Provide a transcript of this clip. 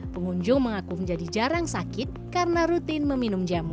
pengunjung mengaku menjadi jarang sakit karena rutin meminum jamu